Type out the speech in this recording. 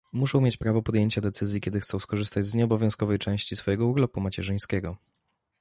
Muszą mieć prawo podjęcia decyzji, kiedy chcą skorzystać z nieobowiązkowej części swojego urlopu macierzyńskiego